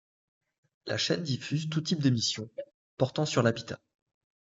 La chaîne diffuse tout type d'émission portant sur l'habitât.